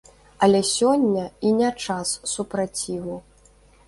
Але сёння і не час супраціву.